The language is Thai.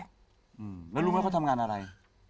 แล้วรู้ไหมว่าเค้าทำงานอะไร